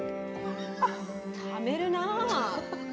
ためるなぁ。